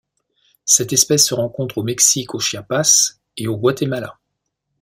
Cette espèce se rencontre au Mexique au Chiapas et au Guatemala.